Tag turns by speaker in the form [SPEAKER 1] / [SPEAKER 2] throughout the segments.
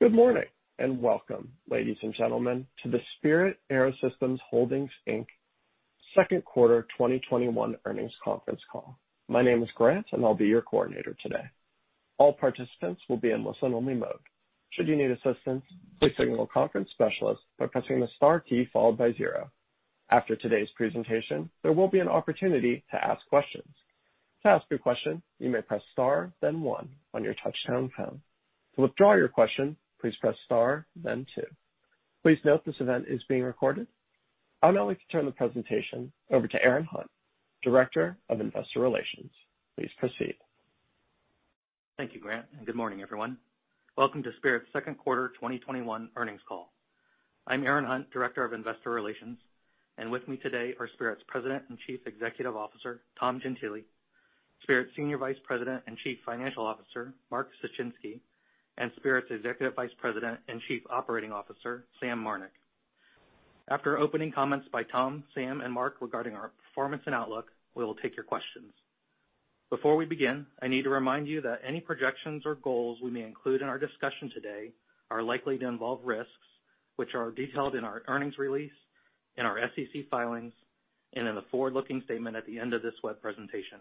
[SPEAKER 1] Good morning, and welcome, ladies and gentlemen, to the Spirit AeroSystems Holdings, Inc. second quarter 2021 earnings conference call. My name is Grant, and I'll be your coordinator today. All participants will be in listen-only mode. Should you need assistance, please signal a conference specialist by pressing the star key followed by zero. After today's presentation, there will be an opportunity to ask questions. To ask your question, you may press Star, then One on your touch-tone phone. To withdraw your question, please press Star then Two. Please note this event is being recorded. I'd now like to turn the presentation over to Aaron Hunt, Director of Investor Relations. Please proceed.
[SPEAKER 2] Thank you, Grant, and good morning, everyone. Welcome to Spirit's second quarter 2021 earnings call. I'm Aaron Hunt, Director of Investor Relations, and with me today are Spirit's President and Chief Executive Officer, Tom Gentile, Spirit's Senior Vice President and Chief Financial Officer, Mark Suchinski, and Spirit's Executive Vice President and Chief Operating Officer, Sam Marnick. After opening comments by Tom, Sam, and Mark regarding our performance and outlook, we will take your questions. Before we begin, I need to remind you that any projections or goals we may include in our discussion today are likely to involve risks, which are detailed in our earnings release, in our SEC filings, and in the forward-looking statement at the end of this web presentation.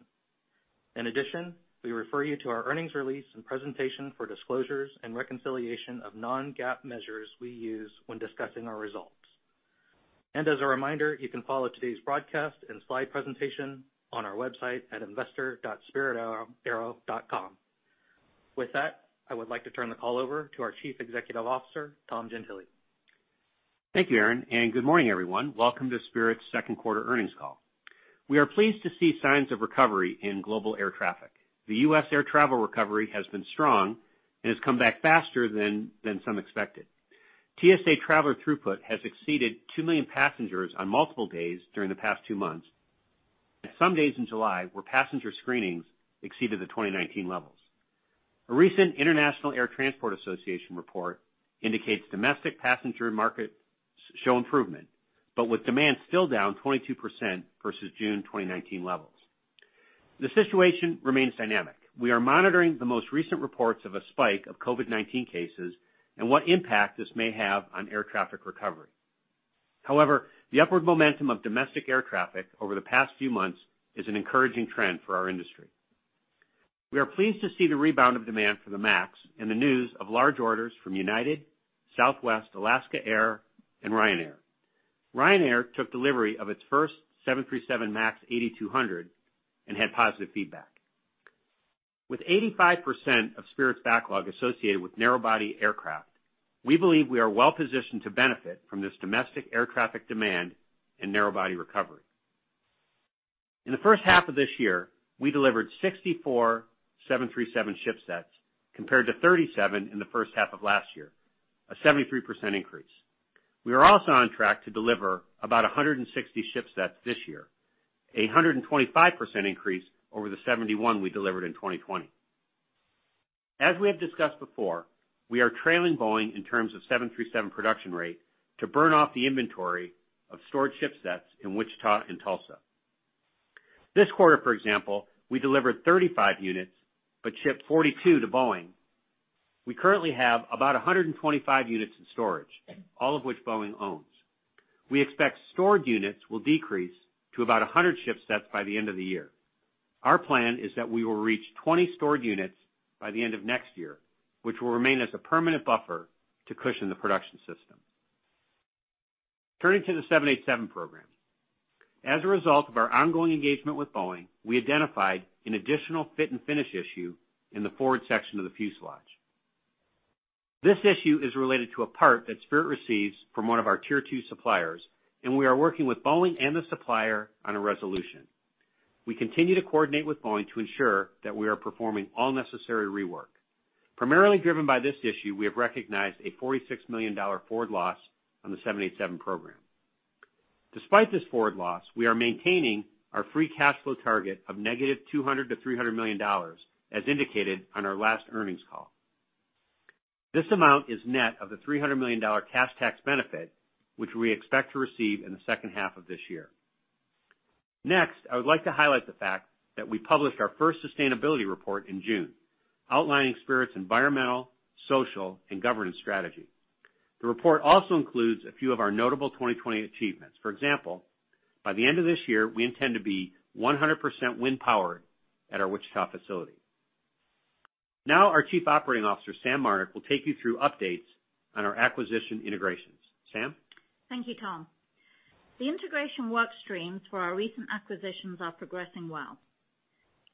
[SPEAKER 2] In addition, we refer you to our earnings release and presentation for disclosures and reconciliation of non-GAAP measures we use when discussing our results. As a reminder, you can follow today's broadcast and slide presentation on our website at investor.spiritaero.com. With that, I would like to turn the call over to our Chief Executive Officer, Tom Gentile.
[SPEAKER 3] Thank you, Aaron, and good morning, everyone. Welcome to Spirit's second quarter earnings call. We are pleased to see signs of recovery in global air traffic. The U.S. air travel recovery has been strong and has come back faster than some expected. TSA traveler throughput has exceeded 2 million passengers on multiple days during the past two months, and some days in July where passenger screenings exceeded the 2019 levels. A recent International Air Transport Association report indicates domestic passenger markets show improvement, but with demand still down 22% versus June 2019 levels. The situation remains dynamic. We are monitoring the most recent reports of a spike of COVID-19 cases and what impact this may have on air traffic recovery. However, the upward momentum of domestic air traffic over the past few months is an encouraging trend for our industry. We are pleased to see the rebound of demand for the MAX and the news of large orders from United, Southwest, Alaska Air, and Ryanair. Ryanair took delivery of its first 737 MAX 8200 and had positive feedback. With 85% of Spirit's backlog associated with narrow-body aircraft, we believe we are well-positioned to benefit from this domestic air traffic demand and narrow-body recovery. In the first half of this year, we delivered 64 737 ship-sets, compared to 37 in the first half of last year, a 73% increase. We are also on track to deliver about 160 ship-sets this year, a 125% increase over the 71 we delivered in 2020. As we have discussed before, we are trailing Boeing in terms of 737 production rate to burn off the inventory of stored ship-sets in Wichita and Tulsa. This quarter, for example, we delivered 35 units but shipped 42 to Boeing. We currently have about 125 units in storage, all of which Boeing owns. We expect stored units will decrease to about 100 ship-sets by the end of the year. Our plan is that we will reach 20 stored units by the end of next year, which will remain as a permanent buffer to cushion the production system. Turning to the 787 program. As a result of our ongoing engagement with Boeing, we identified an additional fit and finish issue in the forward section of the fuselage. This issue is related to a part that Spirit receives from one of our tier two suppliers, and we are working with Boeing and the supplier on a resolution. We continue to coordinate with Boeing to ensure that we are performing all necessary rework. Primarily driven by this issue, we have recognized a $46 million forward loss on the 787 program. Despite this forward loss, we are maintaining our free cash flow target of -$200 million-$300 million, as indicated on our last earnings call. This amount is net of the $300 million cash tax benefit, which we expect to receive in the second half of this year. Next, I would like to highlight the fact that we published our first sustainability report in June, outlining Spirit's environmental, social, and governance strategy. The report also includes a few of our notable 2020 achievements. For example, by the end of this year, we intend to be 100% wind powered at our Wichita facility. Now, our Chief Operating Officer, Sam Marnick, will take you through updates on our acquisition integrations. Sam?
[SPEAKER 4] Thank you, Tom. The integration work streams for our recent acquisitions are progressing well.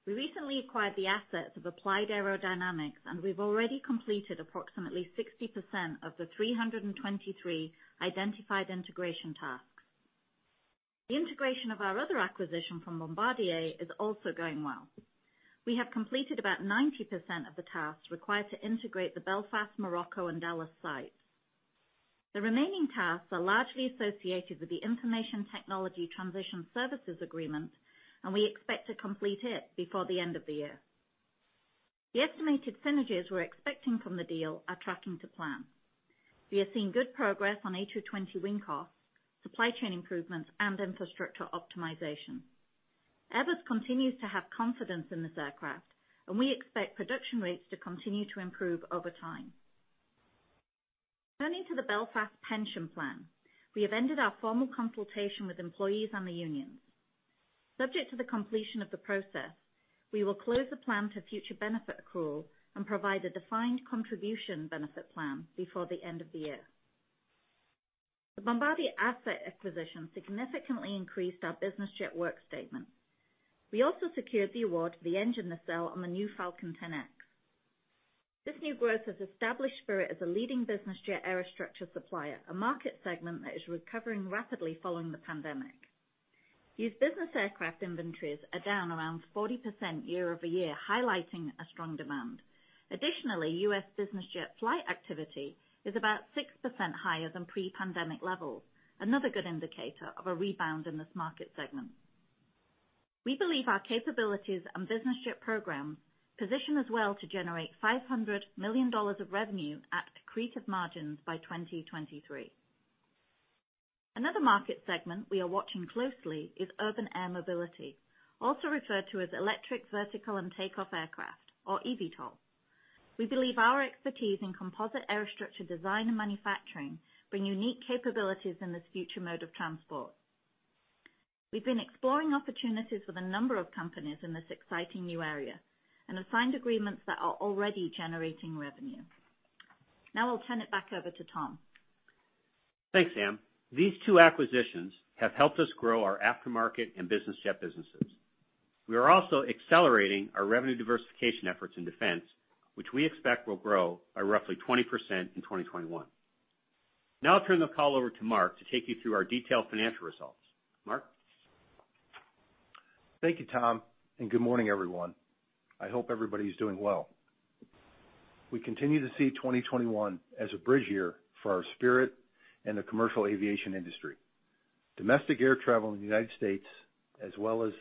[SPEAKER 4] We recently acquired the assets of Applied Aerodynamics, and we've already completed approximately 60% of the 323 identified integration tasks. The integration of our other acquisition from Bombardier is also going well. We have completed about 90% of the tasks required to integrate the Belfast, Morocco, and Dallas sites. The remaining tasks are largely associated with the information technology transition services agreement, and we expect to complete it before the end of the year. The estimated synergies we're expecting from the deal are tracking to plan.... We are seeing good progress on A220 wing costs, supply chain improvements, and infrastructure optimization. Airbus continues to have confidence in this aircraft, and we expect production rates to continue to improve over time. Turning to the Belfast pension plan, we have ended our formal consultation with employees and the unions. Subject to the completion of the process, we will close the plan to future benefit accrual and provide a defined contribution benefit plan before the end of the year. The Bombardier asset acquisition significantly increased our business jet work statement. We also secured the award for the engine nacelle on the new Falcon 10X. This new growth has established Spirit as a leading business jet aerostructure supplier, a market segment that is recovering rapidly following the pandemic. Used business aircraft inventories are down around 40% year-over-year, highlighting a strong demand. Additionally, US business jet flight activity is about 6% higher than pre-pandemic levels, another good indicator of a rebound in this market segment. We believe our capabilities and business jet program position us well to generate $500 million of revenue at accretive margins by 2023. Another market segment we are watching closely is urban air mobility, also referred to as electric vertical takeoff and landing aircraft, or eVTOL. We believe our expertise in composite aerostructure design and manufacturing bring unique capabilities in this future mode of transport. We've been exploring opportunities with a number of companies in this exciting new area and have signed agreements that are already generating revenue. Now I'll turn it back over to Tom.
[SPEAKER 3] Thanks, Sam. These two acquisitions have helped us grow our aftermarket and business jet businesses. We are also accelerating our revenue diversification efforts in defense, which we expect will grow by roughly 20% in 2021. Now I'll turn the call over to Mark to take you through our detailed financial results. Mark?
[SPEAKER 5] Thank you, Tom, and good morning, everyone. I hope everybody is doing well. We continue to see 2021 as a bridge year for our Spirit and the commercial aviation industry. Domestic air travel in the United States, as well as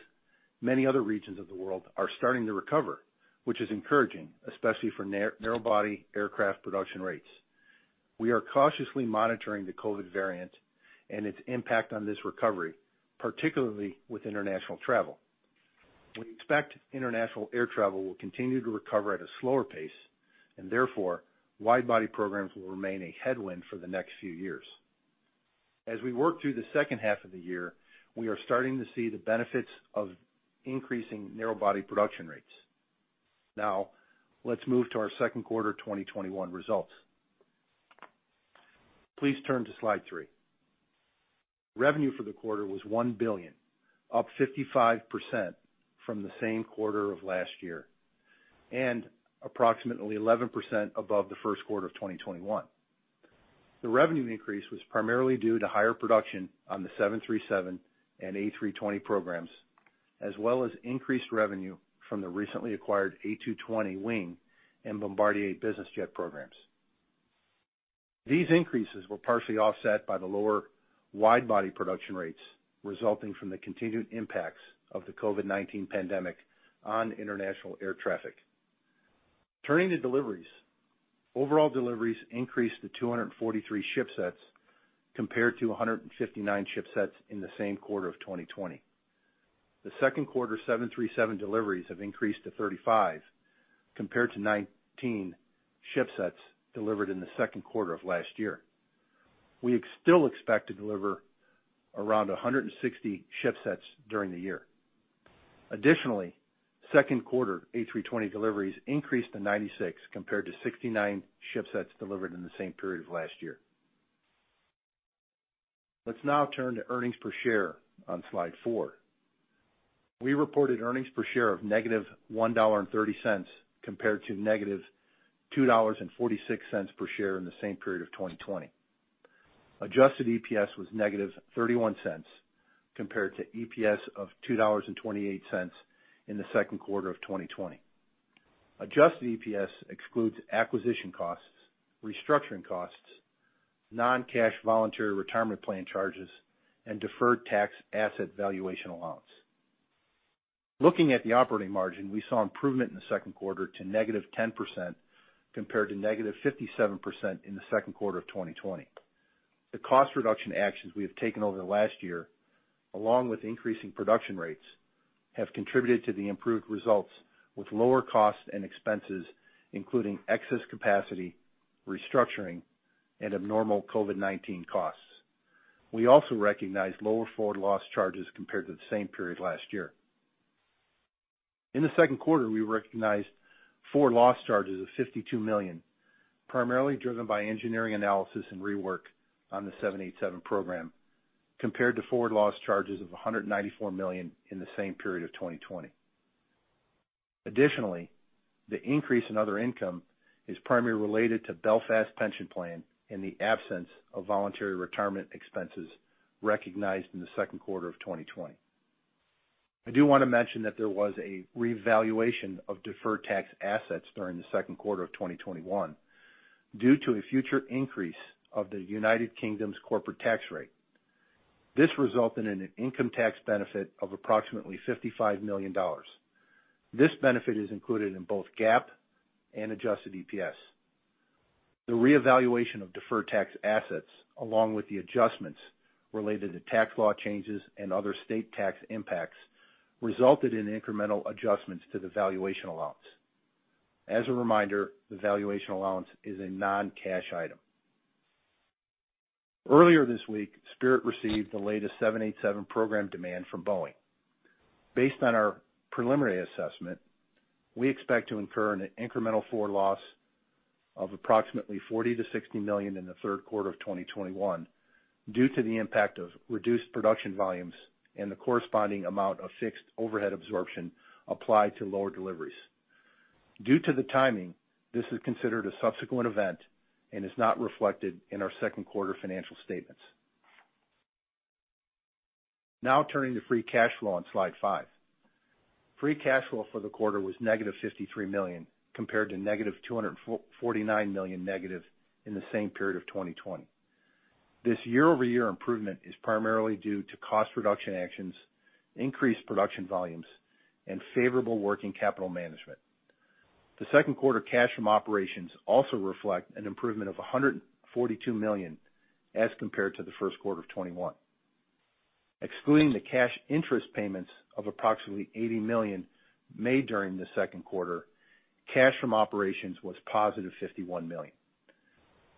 [SPEAKER 5] many other regions of the world, are starting to recover, which is encouraging, especially for narrow-body aircraft production rates. We are cautiously monitoring the COVID variant and its impact on this recovery, particularly with international travel. We expect international air travel will continue to recover at a slower pace, and therefore, wide-body programs will remain a headwind for the next few years. As we work through the second half of the year, we are starting to see the benefits of increasing narrow-body production rates. Now, let's move to our second quarter 2021 results. Please turn to slide 3. Revenue for the quarter was $1 billion, up 55% from the same quarter of last year, and approximately 11% above the first quarter of 2021. The revenue increase was primarily due to higher production on the 737 and A320 programs, as well as increased revenue from the recently acquired A220 wing and Bombardier Business Jet programs. These increases were partially offset by the lower wide-body production rates, resulting from the continued impacts of the COVID-19 pandemic on international air traffic. Turning to deliveries. Overall deliveries increased to 243 shipsets, compared to 159 shipsets in the same quarter of 2020. The second quarter 737 deliveries have increased to 35, compared to 19 shipsets delivered in the second quarter of last year. We still expect to deliver around 160 shipsets during the year. Additionally, second quarter A320 deliveries increased to 96, compared to 69 shipsets delivered in the same period of last year. Let's now turn to earnings per share on slide 4. We reported earnings per share of -$1.30, compared to -$2.46 per share in the same period of 2020. Adjusted EPS was -$0.31, compared to EPS of $2.28 in the second quarter of 2020. Adjusted EPS excludes acquisition costs, restructuring costs, non-cash voluntary retirement plan charges, and deferred tax asset valuation allowance. Looking at the operating margin, we saw improvement in the second quarter to -10%, compared to -57% in the second quarter of 2020. The cost reduction actions we have taken over the last year, along with increasing production rates, have contributed to the improved results, with lower costs and expenses, including excess capacity, restructuring, and abnormal COVID-19 costs. We also recognized lower forward loss charges compared to the same period last year. In the second quarter, we recognized four loss charges of $52 million, primarily driven by engineering analysis and rework on the 787 program, compared to forward loss charges of $194 million in the same period of 2020. Additionally, the increase in other income is primarily related to Belfast Pension Plan and the absence of voluntary retirement expenses recognized in the second quarter of 2020. I do want to mention that there was a revaluation of deferred tax assets during the second quarter of 2021 due to a future increase of the United Kingdom's corporate tax rate. This resulted in an income tax benefit of approximately $55 million. This benefit is included in both GAAP and adjusted EPS. The reevaluation of deferred tax assets, along with the adjustments related to tax law changes and other state tax impacts, resulted in incremental adjustments to the valuation allowance. As a reminder, the valuation allowance is a non-cash item. Earlier this week, Spirit received the latest 787 program demand from Boeing. Based on our preliminary assessment, we expect to incur an incremental forward loss of approximately $40 million-$60 million in the third quarter of 2021 due to the impact of reduced production volumes and the corresponding amount of fixed overhead absorption applied to lower deliveries. Due to the timing, this is considered a subsequent event and is not reflected in our second quarter financial statements. Now turning to free cash flow on slide 5. Free cash flow for the quarter was negative $53 million, compared to negative $249 million in the same period of 2020. This year-over-year improvement is primarily due to cost reduction actions, increased production volumes, and favorable working capital management. The second quarter cash from operations also reflect an improvement of $142 million as compared to the first quarter of 2021. Excluding the cash interest payments of approximately $80 million made during the second quarter, cash from operations was positive $51 million.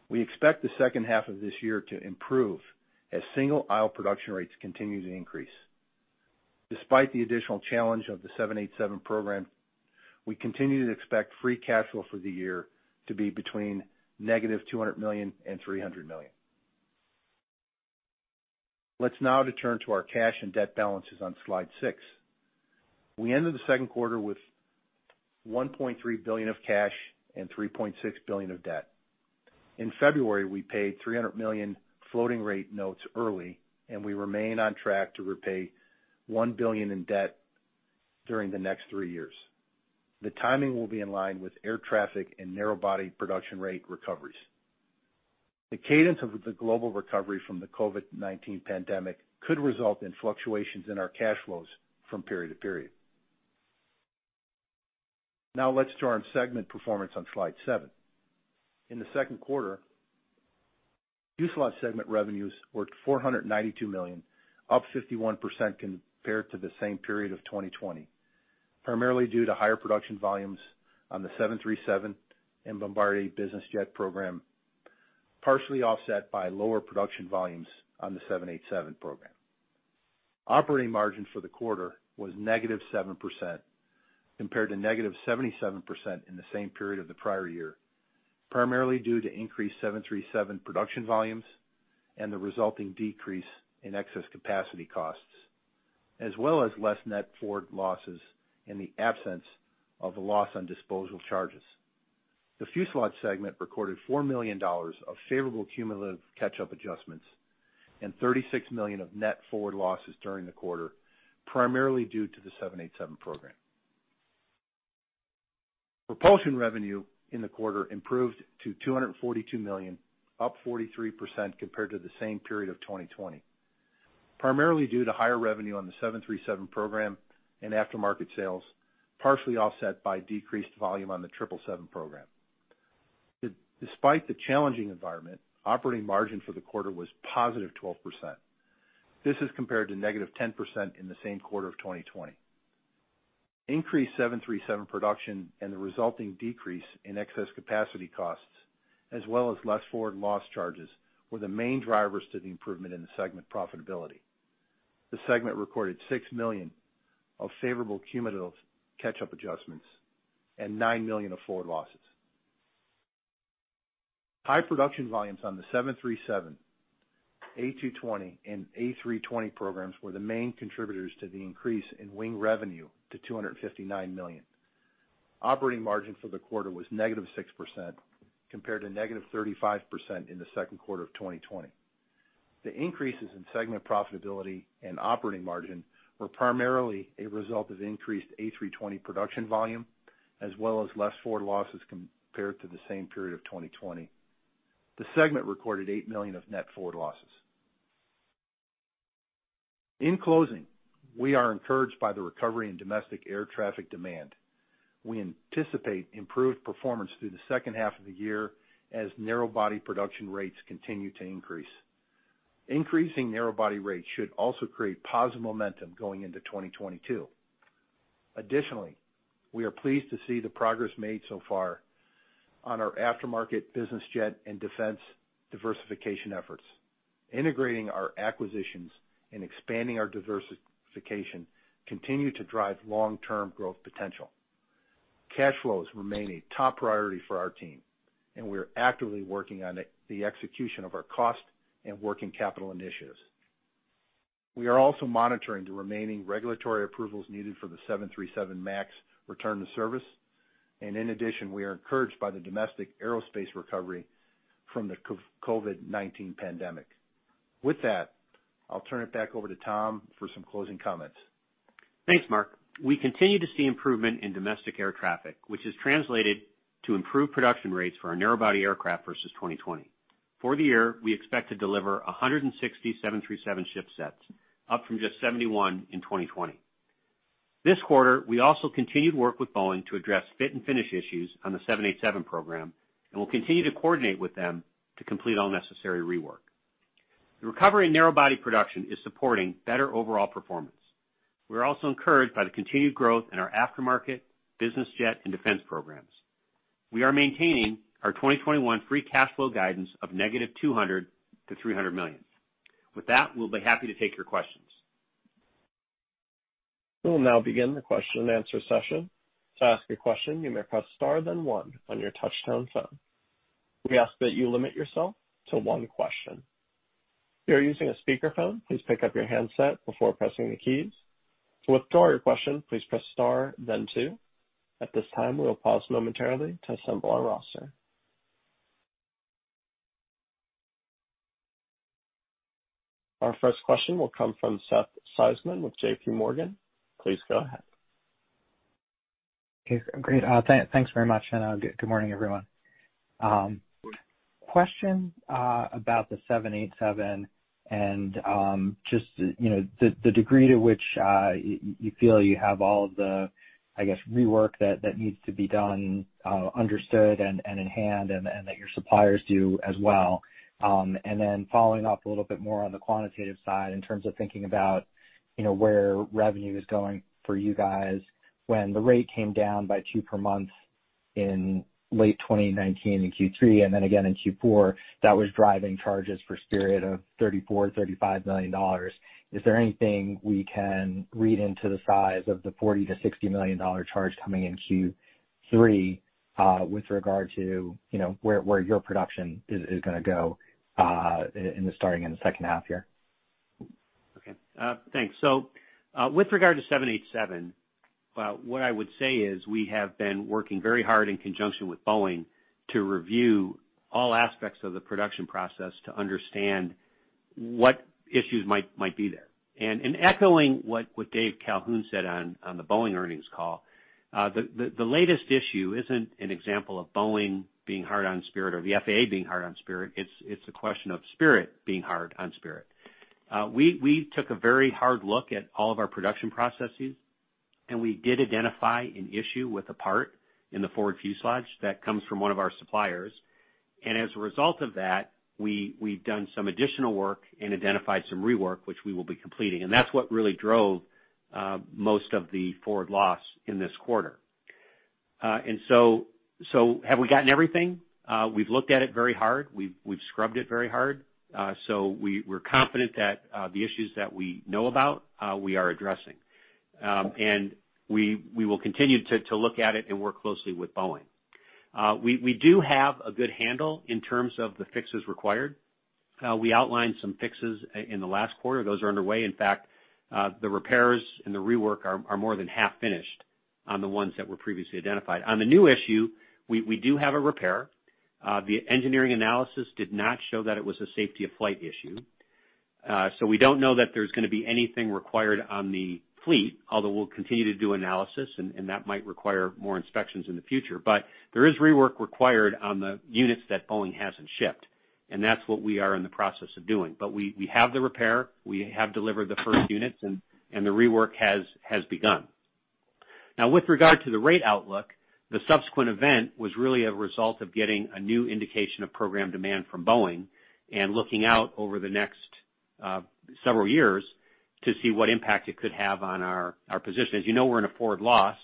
[SPEAKER 5] We expect the second half of this year to improve as single-aisle production rates continue to increase. Despite the additional challenge of the 787 program, we continue to expect free cash flow for the year to be between negative $200 million and $300 million. Let's now turn to our cash and debt balances on slide 6. We ended the second quarter with $1.3 billion of cash and $3.6 billion of debt. In February, we paid $300 million floating rate notes early, and we remain on track to repay $1 billion in debt during the next three years. The timing will be in line with air traffic and narrow-body production rate recoveries. The cadence of the global recovery from the COVID-19 pandemic could result in fluctuations in our cash flows from period to period. Now let's turn to our segment performance on slide 7. In the second quarter, Fuselage segment revenues were $492 million, up 51% compared to the same period of 2020, primarily due to higher production volumes on the 737 and Bombardier Business Jet program, partially offset by lower production volumes on the 787 program. Operating margin for the quarter was -7% compared to -77% in the same period of the prior year, primarily due to increased 737 production volumes and the resulting decrease in excess capacity costs, as well as less net forward losses in the absence of a loss on disposal charges. The Fuselage segment recorded $4 million of favorable cumulative catch-up adjustments and $36 million of net forward losses during the quarter, primarily due to the 787 program. Propulsion revenue in the quarter improved to $242 million, up 43% compared to the same period of 2020, primarily due to higher revenue on the 737 program and aftermarket sales, partially offset by decreased volume on the 777 program. Despite the challenging environment, operating margin for the quarter was positive 12%. This is compared to negative 10% in the same quarter of 2020. Increased 737 production and the resulting decrease in excess capacity costs, as well as less forward loss charges, were the main drivers to the improvement in the segment profitability. The segment recorded $6 million of favorable cumulative catch-up adjustments and $9 million of forward losses. High production volumes on the 737, A220, and A320 programs were the main contributors to the increase in Wing revenue to $259 million. Operating margin for the quarter was -6%, compared to -35% in the second quarter of 2020. The increases in segment profitability and operating margin were primarily a result of increased A320 production volume, as well as less forward losses compared to the same period of 2020. The segment recorded $8 million of net forward losses. In closing, we are encouraged by the recovery in domestic air traffic demand. We anticipate improved performance through the second half of the year as narrow-body production rates continue to increase. Increasing narrow-body rates should also create positive momentum going into 2022. Additionally, we are pleased to see the progress made so far on our aftermarket business jet and defense diversification efforts. Integrating our acquisitions and expanding our diversification continue to drive long-term growth potential. Cash flows remain a top priority for our team, and we are actively working on the execution of our cost and working capital initiatives. We are also monitoring the remaining regulatory approvals needed for the 737 MAX return to service, and in addition, we are encouraged by the domestic aerospace recovery from the COVID-19 pandemic. With that, I'll turn it back over to Tom for some closing comments....
[SPEAKER 3] Thanks, Mark. We continue to see improvement in domestic air traffic, which has translated to improved production rates for our narrow-body aircraft versus 2020. For the year, we expect to deliver 167 737 ship-sets, up from just 71 in 2020. This quarter, we also continued work with Boeing to address fit and finish issues on the 787 program, and we'll continue to coordinate with them to complete all necessary rework. The recovery in narrow-body production is supporting better overall performance. We're also encouraged by the continued growth in our aftermarket, business jet, and defense programs. We are maintaining our 2021 free cash flow guidance of -$200 million to -$300 million. With that, we'll be happy to take your questions.
[SPEAKER 1] We'll now begin the question and answer session. To ask a question, you may press star, then one on your touch-tone phone. We ask that you limit yourself to one question. If you are using a speakerphone, please pick up your handset before pressing the keys. To withdraw your question, please press star then two. At this time, we will pause momentarily to assemble our roster. Our first question will come from Seth Seifman with J.P. Morgan. Please go ahead.
[SPEAKER 6] Okay, great. Thanks very much, and good morning, everyone. Question about the 787 and just, you know, the degree to which you feel you have all of the, I guess, rework that needs to be done understood and in hand, and that your suppliers do as well. And then following up a little bit more on the quantitative side, in terms of thinking about, you know, where revenue is going for you guys. When the rate came down by 2 per month in late 2019 in Q3, and then again in Q4, that was driving charges for Spirit of $34-$35 million. Is there anything we can read into the size of the $40 million-$60 million charge coming in Q3 with regard to, you know, where, where your production is, is gonna go in the starting in the second half year?
[SPEAKER 3] Okay, thanks. So, with regard to 787, what I would say is we have been working very hard in conjunction with Boeing to review all aspects of the production process to understand what issues might be there. And in echoing what Dave Calhoun said on the Boeing earnings call, the latest issue isn't an example of Boeing being hard on Spirit or the FAA being hard on Spirit. It's a question of Spirit being hard on Spirit. We took a very hard look at all of our production processes, and we did identify an issue with a part in the forward fuselage that comes from one of our suppliers. As a result of that, we've done some additional work and identified some rework, which we will be completing, and that's what really drove most of the forward loss in this quarter. So, have we gotten everything? We've looked at it very hard. We've scrubbed it very hard. We're confident that the issues that we know about we are addressing. We will continue to look at it and work closely with Boeing. We do have a good handle in terms of the fixes required. We outlined some fixes in the last quarter. Those are underway. In fact, the repairs and the rework are more than half finished on the ones that were previously identified. On the new issue, we do have a repair. The engineering analysis did not show that it was a safety of flight issue, so we don't know that there's gonna be anything required on the fleet, although we'll continue to do analysis and that might require more inspections in the future. But there is rework required on the units that Boeing hasn't shipped, and that's what we are in the process of doing. But we have the repair, we have delivered the first units, and the rework has begun. Now, with regard to the rate outlook, the subsequent event was really a result of getting a new indication of program demand from Boeing and looking out over the next several years to see what impact it could have on our position. As you know, we're in a forward loss,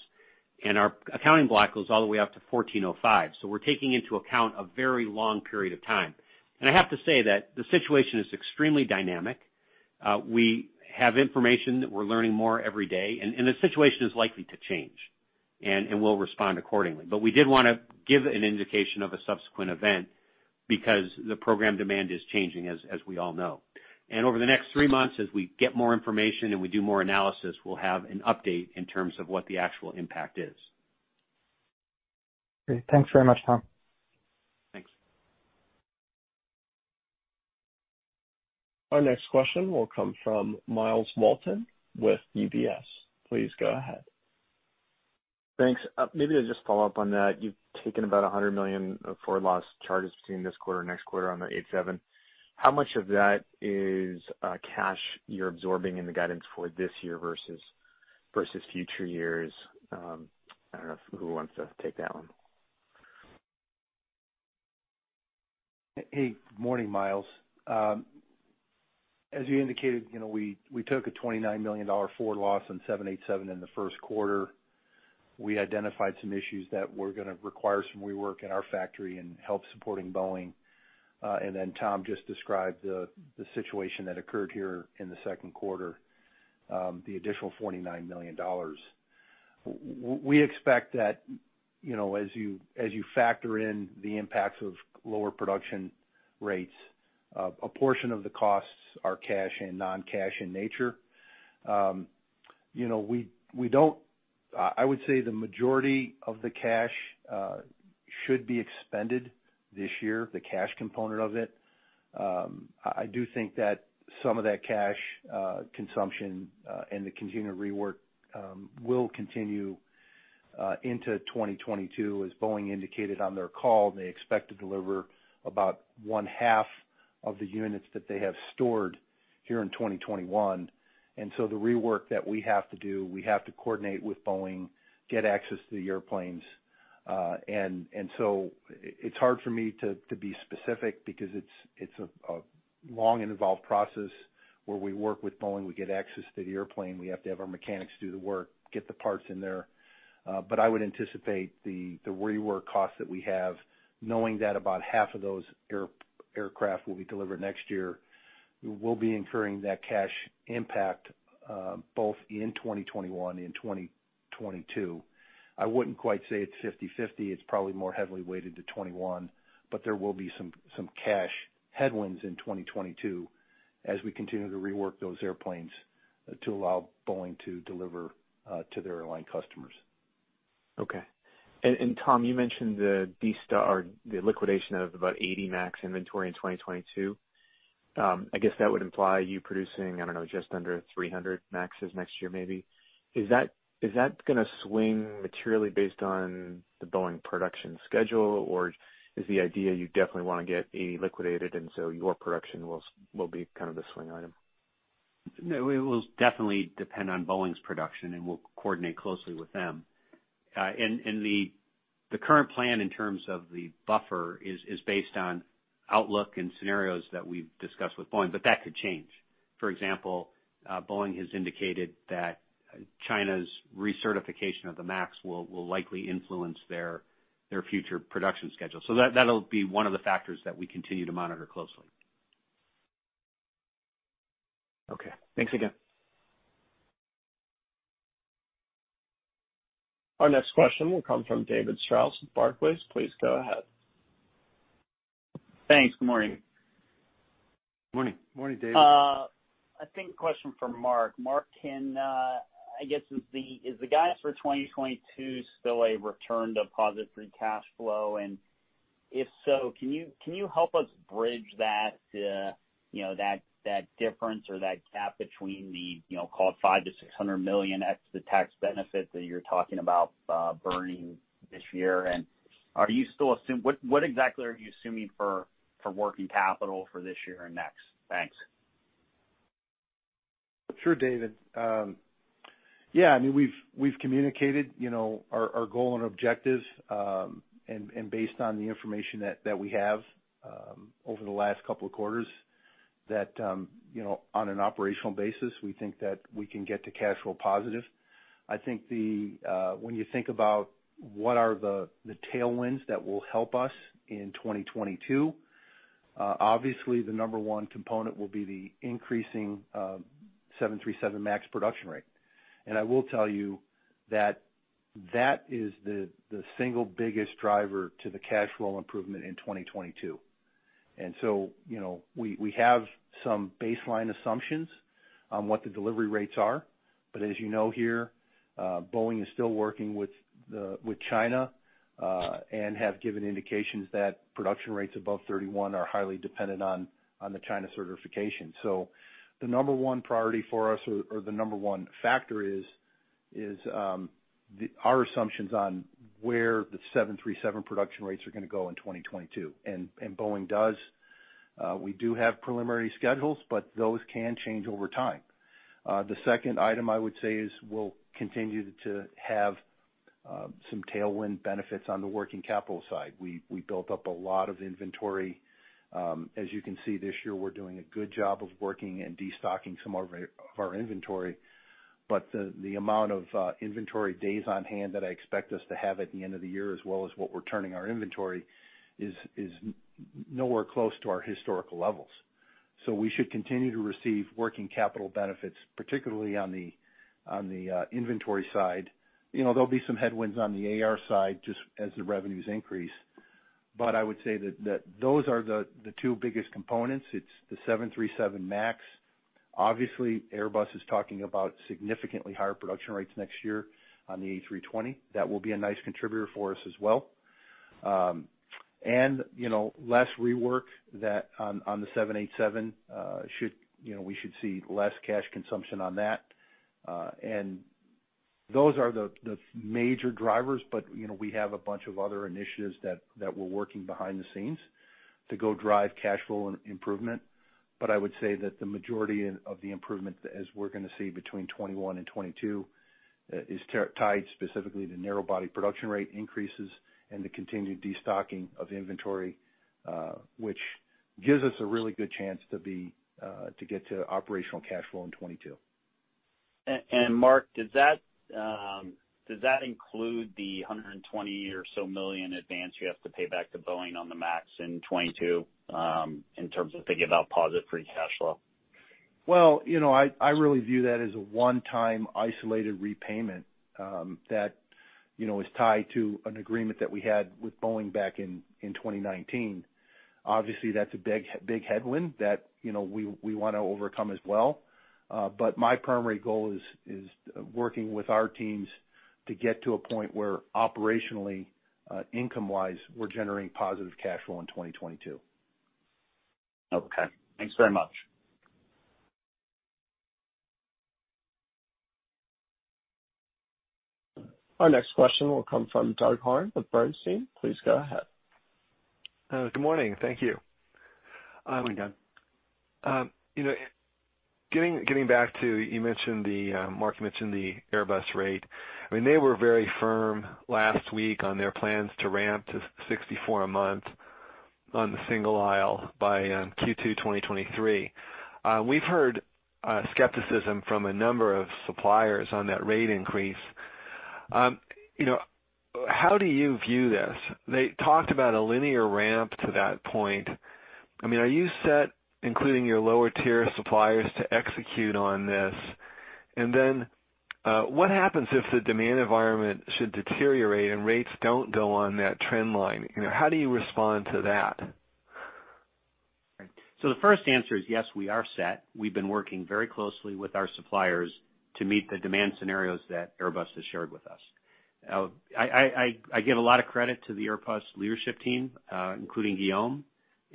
[SPEAKER 3] and our accounting block goes all the way up to 1405, so we're taking into account a very long period of time. I have to say that the situation is extremely dynamic. We have information that we're learning more every day, and the situation is likely to change, and we'll respond accordingly. But we did wanna give an indication of a subsequent event because the program demand is changing, as we all know. Over the next three months, as we get more information and we do more analysis, we'll have an update in terms of what the actual impact is.
[SPEAKER 6] Great. Thanks very much, Tom.
[SPEAKER 3] Thanks.
[SPEAKER 1] Our next question will come from Myles Walton with UBS. Please go ahead.
[SPEAKER 7] Thanks. Maybe to just follow up on that, you've taken about $100 million of forward loss charges between this quarter and next quarter on the 787. How much of that is cash you're absorbing in the guidance for this year versus, versus future years? I don't know who wants to take that one.
[SPEAKER 5] Hey, morning, Miles. As you indicated, you know, we took a $29 million forward loss on 787 in the first quarter. We identified some issues that were gonna require some rework in our factory and help supporting Boeing. And then Tom just described the situation that occurred here in the second quarter, the additional $49 million. We expect that, you know, as you factor in the impacts of lower production rates, a portion of the costs are cash and non-cash in nature. You know, we don't. I would say the majority of the cash should be expended this year, the cash component of it. I do think that some of that cash consumption and the continued rework will continue into 2022, as Boeing indicated on their call. They expect to deliver about one half of the units that they have stored here in 2021. And so the rework that we have to do, we have to coordinate with Boeing, get access to the airplanes. And so it's hard for me to be specific because it's a long and involved process where we work with Boeing, we get access to the airplane, we have to have our mechanics do the work, get the parts in there. But I would anticipate the rework costs that we have, knowing that about half of those aircraft will be delivered next year, we will be incurring that cash impact both in 2021 and 2022. I wouldn't quite say it's 50/50, it's probably more heavily weighted to '21, but there will be some cash headwinds in 2022 as we continue to rework those airplanes to allow Boeing to deliver to their airline customers.
[SPEAKER 7] Okay. And Tom, you mentioned the destocking or the liquidation of about 80 MAX inventory in 2022. I guess that would imply you producing, I don't know, just under 300 MAXes next year, maybe. Is that gonna swing materially based on the Boeing production schedule? Or is the idea you definitely wanna get 80 liquidated, and so your production will be kind of the swing item?
[SPEAKER 3] No, it will definitely depend on Boeing's production, and we'll coordinate closely with them. And the current plan in terms of the buffer is based on outlook and scenarios that we've discussed with Boeing, but that could change. For example, Boeing has indicated that China's recertification of the MAX will likely influence their future production schedule. So that, that'll be one of the factors that we continue to monitor closely.
[SPEAKER 7] Okay. Thanks again.
[SPEAKER 1] Our next question will come from David Strauss with Barclays. Please go ahead.
[SPEAKER 8] Thanks. Good morning.
[SPEAKER 5] Morning.
[SPEAKER 3] Morning, David.
[SPEAKER 8] I think a question for Mark. Mark, can I guess, is the guidance for 2022 still a return to positive free cash flow? And if so, can you help us bridge that, you know, that difference or that gap between the, you know, call it $500 million-$600 million ex the tax benefit that you're talking about, burning this year? And are you still—What exactly are you assuming for working capital for this year and next? Thanks.
[SPEAKER 5] Sure, David. Yeah, I mean, we've communicated, you know, our goal and objectives, and based on the information that we have over the last couple of quarters, you know, on an operational basis, we think that we can get to cash flow positive. I think when you think about what are the tailwinds that will help us in 2022, obviously, the number one component will be the increasing 737 MAX production rate. And I will tell you that that is the single biggest driver to the cash flow improvement in 2022. And so, you know, we have some baseline assumptions on what the delivery rates are. But as you know here, Boeing is still working with China, and have given indications that production rates above 31 are highly dependent on the China certification. So the number one priority for us, the number one factor is our assumptions on where the 737 production rates are gonna go in 2022. And Boeing does, we do have preliminary schedules, but those can change over time. The second item I would say is we'll continue to have some tailwind benefits on the working capital side. We built up a lot of inventory. As you can see this year, we're doing a good job of working and destocking some of our inventory. But the amount of inventory days on hand that I expect us to have at the end of the year, as well as what we're turning our inventory, is nowhere close to our historical levels. So we should continue to receive working capital benefits, particularly on the inventory side. You know, there'll be some headwinds on the AR side, just as the revenues increase. But I would say that those are the two biggest components. It's the 737 MAX. Obviously, Airbus is talking about significantly higher production rates next year on the A320. That will be a nice contributor for us as well. And, you know, less rework that on the 787, you know, we should see less cash consumption on that. And those are the major drivers, but you know, we have a bunch of other initiatives that we're working behind the scenes to go drive cash flow and improvement. But I would say that the majority of the improvement, as we're gonna see between 2021 and 2022, is tied specifically to narrow-body production rate increases and the continued destocking of inventory, which gives us a really good chance to get to operational cash flow in 2022.
[SPEAKER 8] Mark, does that include the $120 million or so advance you have to pay back to Boeing on the MAX in 2022, in terms of thinking about positive free cash flow?
[SPEAKER 5] Well, you know, I really view that as a one-time isolated repayment, that-... you know, is tied to an agreement that we had with Boeing back in 2019. Obviously, that's a big, big headwind that, you know, we wanna overcome as well. But my primary goal is working with our teams to get to a point where operationally, income wise, we're generating positive cash flow in 2022.
[SPEAKER 8] Okay, thanks very much.
[SPEAKER 1] Our next question will come from Doug Harned with Bernstein. Please go ahead.
[SPEAKER 9] Good morning. Thank you. You know, getting back to, Mark mentioned the Airbus rate. I mean, they were very firm last week on their plans to ramp to 64 a month on the single-aisle by Q2 2023. We've heard skepticism from a number of suppliers on that rate increase. You know, how do you view this? They talked about a linear ramp to that point. I mean, are you set, including your lower tier suppliers, to execute on this? And then, what happens if the demand environment should deteriorate and rates don't go on that trend line? You know, how do you respond to that?
[SPEAKER 3] So the first answer is yes, we are set. We've been working very closely with our suppliers to meet the demand scenarios that Airbus has shared with us. I give a lot of credit to the Airbus leadership team, including Guillaume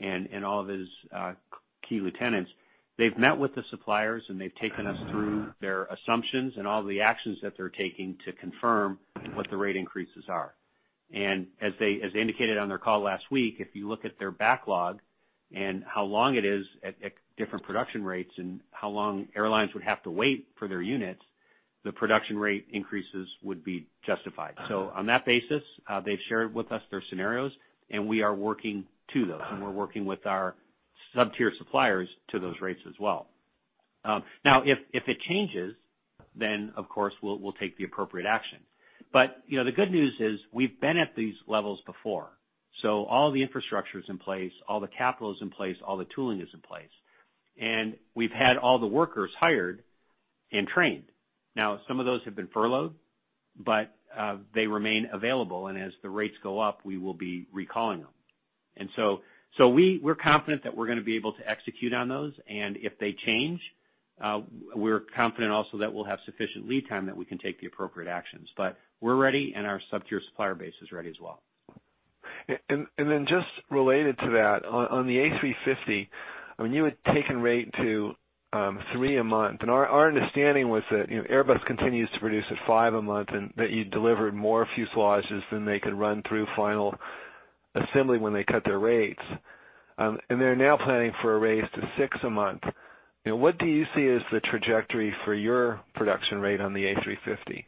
[SPEAKER 3] and all of his key lieutenants. They've met with the suppliers, and they've taken us through their assumptions and all the actions that they're taking to confirm what the rate increases are. And as they indicated on their call last week, if you look at their backlog and how long it is at different production rates and how long airlines would have to wait for their units, the production rate increases would be justified. So on that basis, they've shared with us their scenarios, and we are working to those, and we're working with our sub-tier suppliers to those rates as well. Now, if it changes, then of course, we'll take the appropriate action. But you know, the good news is we've been at these levels before, so all the infrastructure is in place, all the capital is in place, all the tooling is in place, and we've had all the workers hired and trained. Now, some of those have been furloughed, but they remain available, and as the rates go up, we will be recalling them. And so we're confident that we're gonna be able to execute on those, and if they change, we're confident also that we'll have sufficient lead time that we can take the appropriate actions. We're ready, and our sub-tier supplier base is ready as well.
[SPEAKER 9] And then just related to that, on the A350, I mean, you had taken rate to 3 a month, and our understanding was that, you know, Airbus continues to produce at 5 a month, and that you delivered more fuselages than they could run through final assembly when they cut their rates. And they're now planning for a raise to 6 a month. You know, what do you see as the trajectory for your production rate on the A350?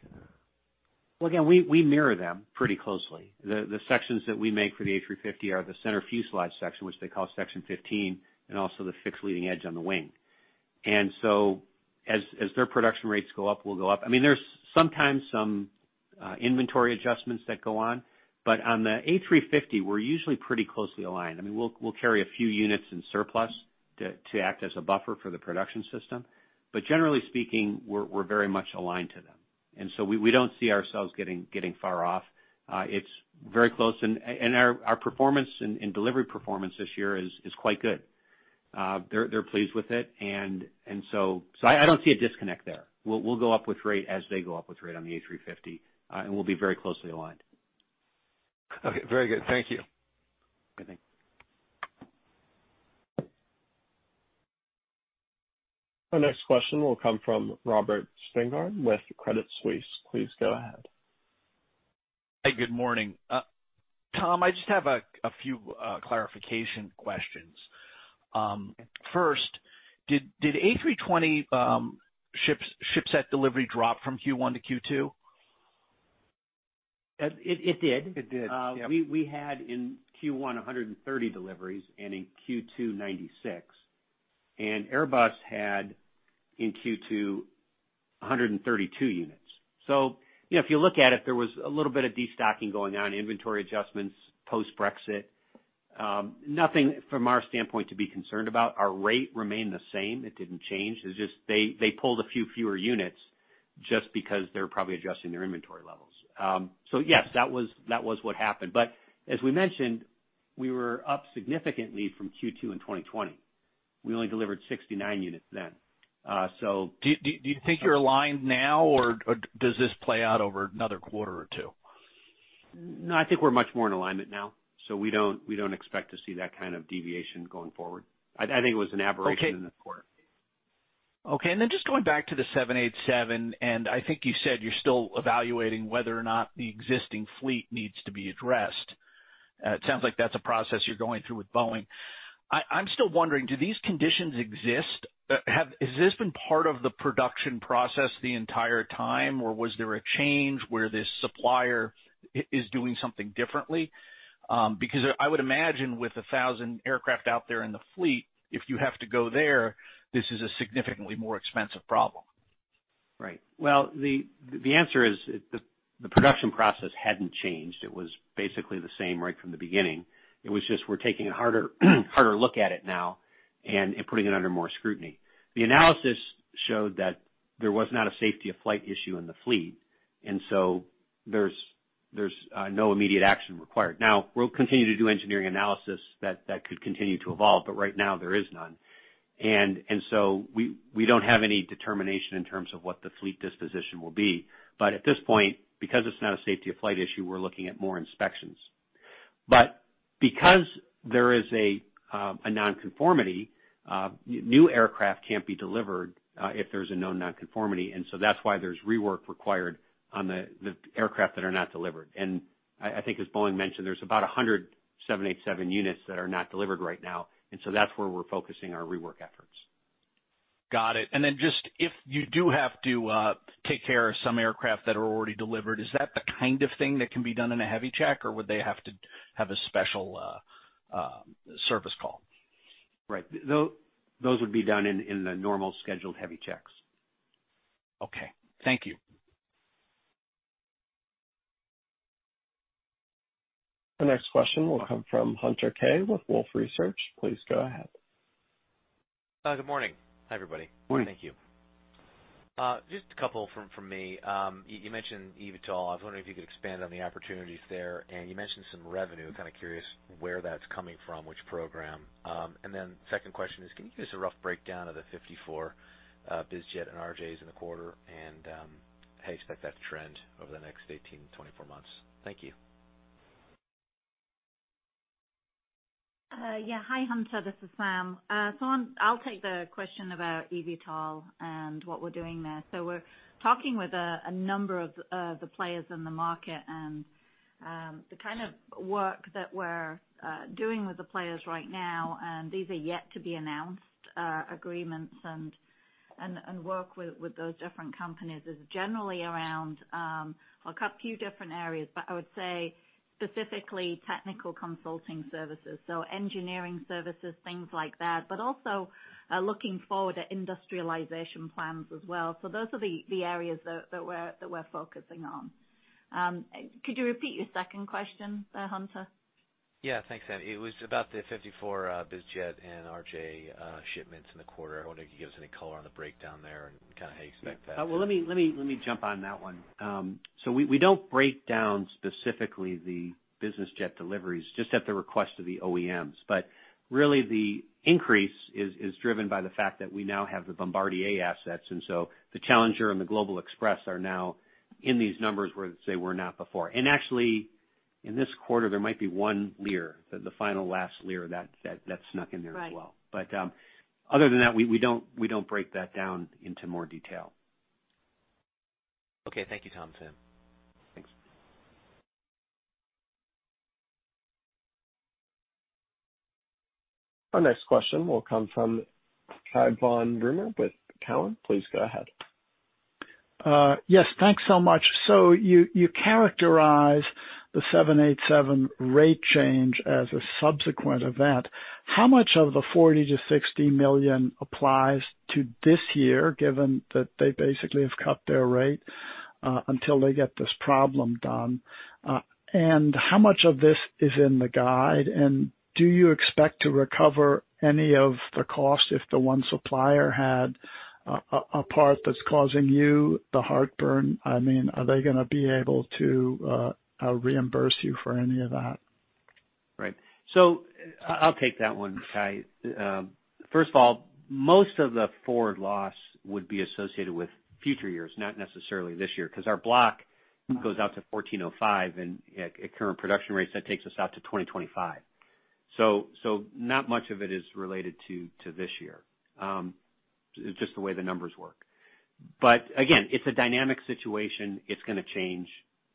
[SPEAKER 3] Well, again, we mirror them pretty closely. The sections that we make for the A350 are the center fuselage section, which they call Section 15, and also the fixed leading edge on the wing. And so as their production rates go up, we'll go up. I mean, there's sometimes some inventory adjustments that go on, but on the A350, we're usually pretty closely aligned. I mean, we'll carry a few units in surplus to act as a buffer for the production system. But generally speaking, we're very much aligned to them, and so we don't see ourselves getting far off. It's very close, and our performance and delivery performance this year is quite good. They're pleased with it, and so... So I don't see a disconnect there. We'll go up with rate as they go up with rate on the A350, and we'll be very closely aligned.
[SPEAKER 9] Okay, very good. Thank you.
[SPEAKER 3] Good, thank you.
[SPEAKER 1] Our next question will come from Robert Spingarn with Credit Suisse. Please go ahead.
[SPEAKER 10] Hi, good morning. Tom, I just have a few clarification questions. First, did A320 shipset delivery drop from Q1 to Q2?
[SPEAKER 3] It did.
[SPEAKER 10] It did, yep.
[SPEAKER 3] We had in Q1, 130 deliveries, and in Q2, 96, and Airbus had in Q2, 132 units. So, you know, if you look at it, there was a little bit of destocking going on, inventory adjustments, post-Brexit. Nothing from our standpoint to be concerned about. Our rate remained the same. It didn't change. It's just they pulled a few fewer units just because they're probably adjusting their inventory levels. So yes, that was what happened. But as we mentioned, we were up significantly from Q2 in 2020. We only delivered 69 units then, so-
[SPEAKER 10] Do you think you're aligned now, or does this play out over another quarter or two?
[SPEAKER 3] No, I think we're much more in alignment now, so we don't, we don't expect to see that kind of deviation going forward. I, I think it was an aberration in the quarter.
[SPEAKER 10] Okay. Okay, and then just going back to the 787, and I think you said you're still evaluating whether or not the existing fleet needs to be addressed. It sounds like that's a process you're going through with Boeing. I'm still wondering, do these conditions exist? Has this been part of the production process the entire time, or was there a change where this supplier is doing something differently? Because I would imagine with 1,000 aircraft out there in the fleet, if you have to go there, this is a significantly more expensive problem.
[SPEAKER 3] Right. Well, the answer is the production process hadn't changed. It was basically the same right from the beginning. It was just we're taking a harder look at it now... and putting it under more scrutiny. The analysis showed that there was not a safety of flight issue in the fleet, and so there's no immediate action required. Now, we'll continue to do engineering analysis that could continue to evolve, but right now there is none. And so we don't have any determination in terms of what the fleet disposition will be. But at this point, because it's not a safety of flight issue, we're looking at more inspections. But because there is a non-conformity, new aircraft can't be delivered if there's a known non-conformity, and so that's why there's rework required on the aircraft that are not delivered. And I think as Boeing mentioned, there's about 100 787 units that are not delivered right now, and so that's where we're focusing our rework efforts.
[SPEAKER 10] Got it. And then just if you do have to take care of some aircraft that are already delivered, is that the kind of thing that can be done in a heavy check, or would they have to have a special service call?
[SPEAKER 3] Right. Those would be done in the normal scheduled heavy checks.
[SPEAKER 10] Okay. Thank you.
[SPEAKER 1] The next question will come from Hunter Keay with Wolfe Research. Please go ahead.
[SPEAKER 11] Hi, good morning. Hi, everybody.
[SPEAKER 3] Morning.
[SPEAKER 11] Thank you. Just a couple from me. You mentioned eVTOL. I was wondering if you could expand on the opportunities there. And you mentioned some revenue, kind of curious where that's coming from, which program? And then second question is, can you give us a rough breakdown of the 54, biz jet and RJs in the quarter, and how you expect that to trend over the next 18-24 months? Thank you.
[SPEAKER 4] Yeah. Hi, Hunter. This is Sam. So I'll take the question about eVTOL and what we're doing there. So we're talking with a number of the players in the market, and the kind of work that we're doing with the players right now, and these are yet to be announced agreements and work with those different companies, is generally around a few different areas, but I would say specifically technical consulting services. So engineering services, things like that, but also looking forward at industrialization plans as well. So those are the areas that we're focusing on. Could you repeat your second question there, Hunter?
[SPEAKER 11] Yeah. Thanks, Sam. It was about the 54 biz jet and RJ shipments in the quarter. I wonder if you could give us any color on the breakdown there and kind of how you expect that?
[SPEAKER 3] Well, let me jump on that one. So we don't break down specifically the business jet deliveries, just at the request of the OEMs. But really, the increase is driven by the fact that we now have the Bombardier assets, and so the Challenger and the Global Express are now in these numbers, where they were not before. And actually, in this quarter, there might be one Lear, the final last Lear that snuck in there as well.
[SPEAKER 4] Right.
[SPEAKER 3] But, other than that, we don't break that down into more detail.
[SPEAKER 11] Okay. Thank you, Tom and Sam. Thanks.
[SPEAKER 1] Our next question will come from Cai von Rumohr with Cowen. Please go ahead.
[SPEAKER 12] Yes, thanks so much. So you, you characterize the 787 rate change as a subsequent event. How much of the $40 million-$60 million applies to this year, given that they basically have cut their rate until they get this problem done? And how much of this is in the guide, and do you expect to recover any of the cost if the one supplier had a part that's causing you the heartburn? I mean, are they gonna be able to reimburse you for any of that?
[SPEAKER 3] Right. So I'll take that one, Kai. First of all, most of the forward loss would be associated with future years, not necessarily this year, 'cause our block goes out to 1,405, and at current production rates, that takes us out to 2025. So not much of it is related to this year. It's just the way the numbers work. But again, it's a dynamic situation. It's gonna change.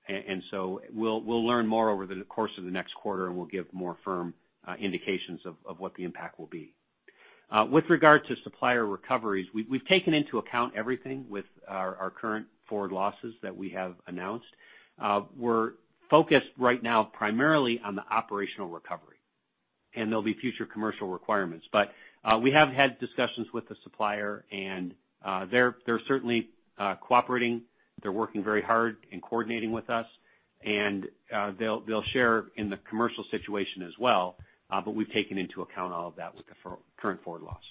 [SPEAKER 3] And so we'll learn more over the course of the next quarter, and we'll give more firm indications of what the impact will be. With regards to supplier recoveries, we've taken into account everything with our current forward losses that we have announced. We're focused right now primarily on the operational recovery, and there'll be future commercial requirements. But we have had discussions with the supplier, and they're certainly cooperating. They're working very hard in coordinating with us, and they'll share in the commercial situation as well, but we've taken into account all of that with the current forward loss.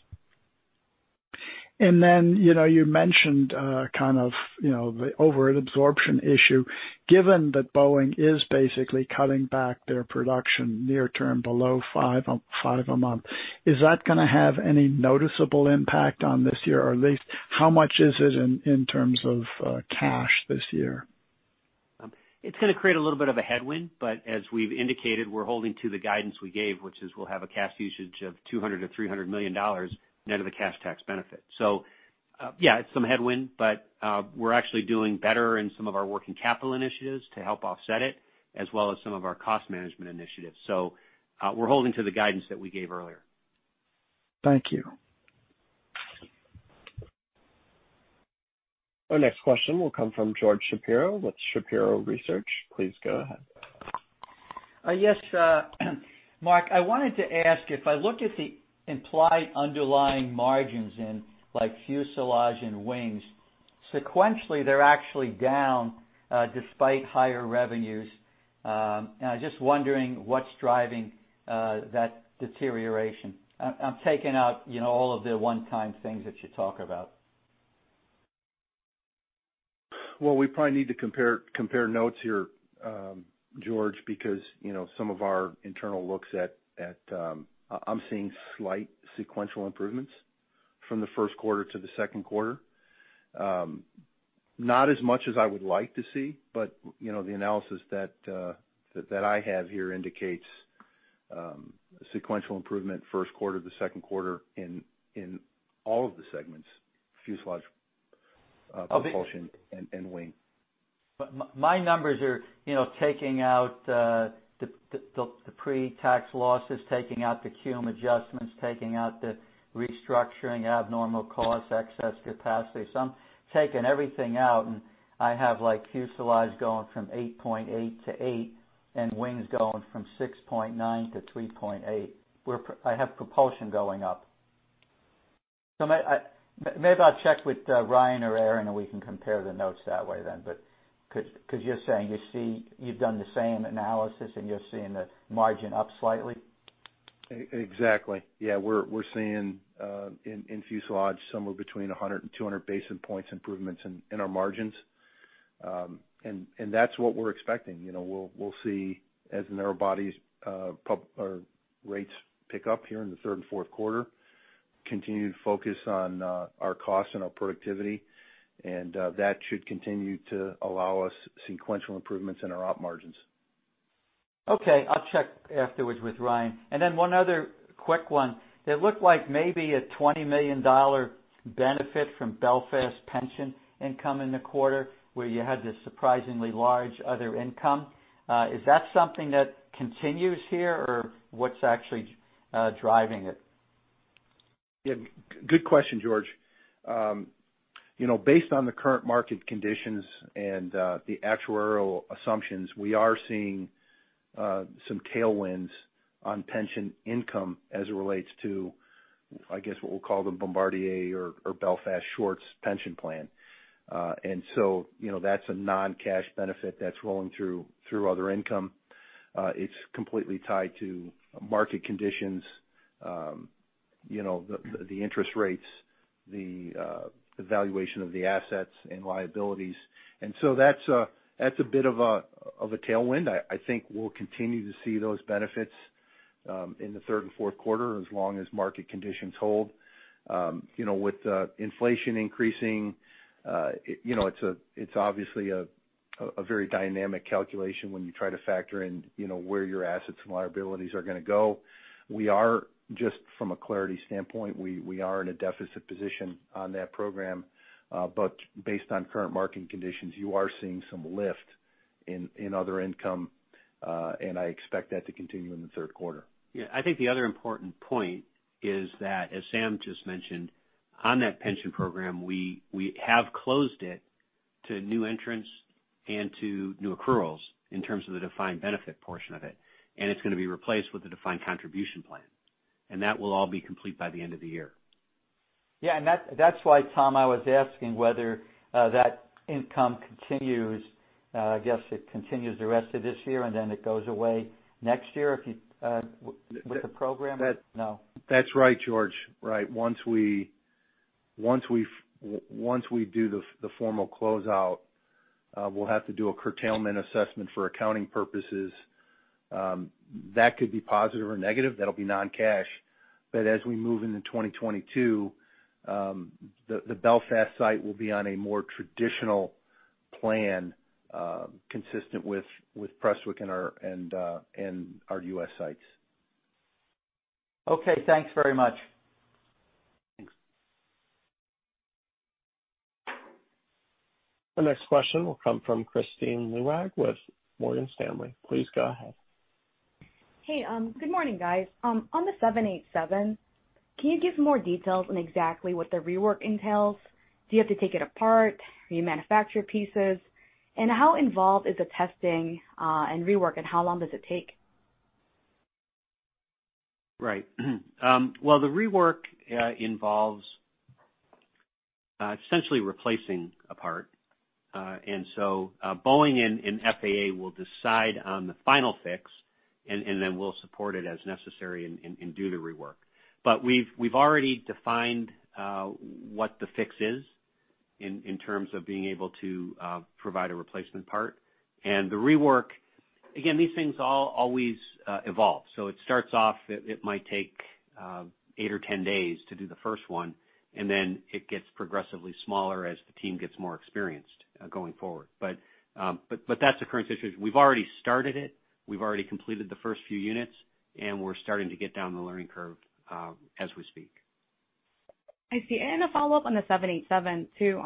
[SPEAKER 12] And then, you know, you mentioned kind of, you know, the overhead absorption issue. Given that Boeing is basically cutting back their production near term below 5 a month, is that gonna have any noticeable impact on this year? Or at least how much is it in terms of cash this year?
[SPEAKER 3] It's gonna create a little bit of a headwind, but as we've indicated, we're holding to the guidance we gave, which is we'll have a cash usage of $200 million-$300 million net of the cash tax benefit. So, yeah, it's some headwind, but, we're actually doing better in some of our working capital initiatives to help offset it, as well as some of our cost management initiatives. So, we're holding to the guidance that we gave earlier.
[SPEAKER 12] Thank you.
[SPEAKER 1] Our next question will come from George Shapiro with Shapiro Research. Please go ahead.
[SPEAKER 13] Yes, Mark, I wanted to ask, if I look at the implied underlying margins in, like, fuselage and wings-... sequentially, they're actually down, despite higher revenues. I'm just wondering what's driving that deterioration. I'm taking out, you know, all of the one-time things that you talk about.
[SPEAKER 5] Well, we probably need to compare notes here, George, because, you know, some of our internal looks at, I'm seeing slight sequential improvements from the first quarter to the second quarter. Not as much as I would like to see, but, you know, the analysis that I have here indicates sequential improvement first quarter to the second quarter in all of the segments, fuselage, propulsion and wing.
[SPEAKER 13] But my numbers are, you know, taking out the pre-tax losses, taking out the Cum adjustments, taking out the restructuring, abnormal costs, excess capacity. So I'm taking everything out, and I have, like, fuselage going from 8.8 to 8, and wings going from 6.9 to 3.8, where I have propulsion going up. So maybe I'll check with Ryan or Aaron, and we can compare the notes that way then. But, 'cause you're saying you see... You've done the same analysis, and you're seeing the margin up slightly?
[SPEAKER 5] Exactly. Yeah, we're seeing in fuselage, somewhere between 100 and 200 basis points improvements in our margins. And that's what we're expecting. You know, we'll see, as the narrow bodies production rates pick up here in the third and fourth quarter, continue to focus on our costs and our productivity, and that should continue to allow us sequential improvements in our op margins.
[SPEAKER 13] Okay. I'll check afterwards with Ryan. And then one other quick one: It looked like maybe a $20 million benefit from Belfast pension income in the quarter, where you had this surprisingly large other income. Is that something that continues here, or what's actually driving it?
[SPEAKER 5] Yeah, good question, George. You know, based on the current market conditions and the actuarial assumptions, we are seeing some tailwinds on pension income as it relates to, I guess, what we'll call the Bombardier or Belfast Shorts pension plan. And so, you know, that's a non-cash benefit that's rolling through other income. It's completely tied to market conditions, you know, the interest rates, the valuation of the assets and liabilities. And so that's a bit of a tailwind. I think we'll continue to see those benefits in the third and fourth quarter, as long as market conditions hold. You know, with inflation increasing, it, you know, it's a -- it's obviously a very dynamic calculation when you try to factor in, you know, where your assets and liabilities are gonna go. We are, just from a clarity standpoint, we are in a deficit position on that program, but based on current market conditions, you are seeing some lift in other income, and I expect that to continue in the third quarter.
[SPEAKER 3] Yeah, I think the other important point is that, as Sam just mentioned, on that pension program, we have closed it to new entrants and to new accruals in terms of the defined benefit portion of it, and it's gonna be replaced with a defined contribution plan, and that will all be complete by the end of the year.
[SPEAKER 13] Yeah, and that's why, Tom, I was asking whether that income continues. I guess it continues the rest of this year, and then it goes away next year if you with the program?
[SPEAKER 5] That-
[SPEAKER 13] No.
[SPEAKER 5] That's right, George. Right. Once we do the formal closeout, we'll have to do a curtailment assessment for accounting purposes. That could be positive or negative, that'll be non-cash. But as we move into 2022, the Belfast site will be on a more traditional plan, consistent with Prestwick and our US sites.
[SPEAKER 13] Okay. Thanks very much.
[SPEAKER 5] Thanks.
[SPEAKER 1] The next question will come from Kristine Liwag with Morgan Stanley. Please go ahead.
[SPEAKER 14] Hey, good morning, guys. On the 787, can you give more details on exactly what the rework entails? Do you have to take it apart? Do you manufacture pieces? And how involved is the testing, and rework, and how long does it take?
[SPEAKER 3] Right. Well, the rework involves essentially replacing a part. And so, Boeing and FAA will decide on the final fix, and then we'll support it as necessary and do the rework. But we've already defined what the fix is in terms of being able to provide a replacement part. And the rework... Again, these things always evolve. So it starts off, it might take eight or 10 days to do the first one, and then it gets progressively smaller as the team gets more experienced going forward. But that's the current situation. We've already started it, we've already completed the first few units, and we're starting to get down the learning curve as we speak.
[SPEAKER 14] I see. And a follow-up on the 787, too.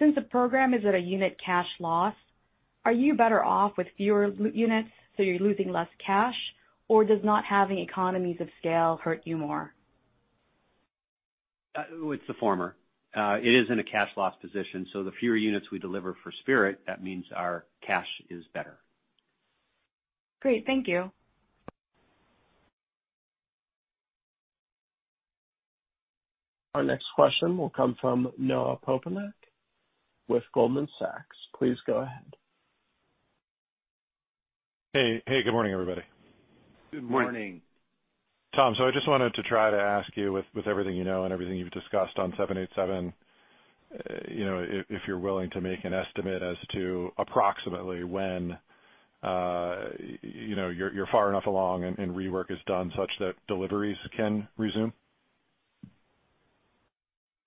[SPEAKER 14] Since the program is at a unit cash loss, are you better off with fewer units, so you're losing less cash, or does not having economies of scale hurt you more?
[SPEAKER 3] It's the former. It is in a cash loss position, so the fewer units we deliver for Spirit, that means our cash is better.
[SPEAKER 14] Great. Thank you.
[SPEAKER 1] Our next question will come from Noah Poponak with Goldman Sachs. Please go ahead.
[SPEAKER 15] Hey, hey, good morning, everybody.
[SPEAKER 5] Good morning.
[SPEAKER 15] Tom, so I just wanted to try to ask you, with everything you know and everything you've discussed on 787, you know, if you're willing to make an estimate as to approximately when, you know, you're far enough along and rework is done such that deliveries can resume?